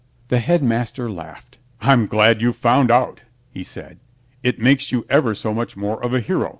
The Headmaster laughed. "I'm glad you've found out," he said. "It makes you ever so much more of a hero.